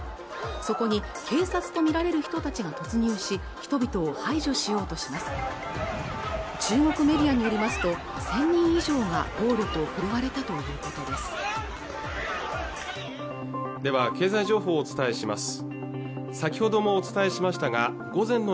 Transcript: そこに警察とみられる人たちが突入し人々を排除しようとします中国メディアによりますと１０００人以上が暴力を振るわれたということです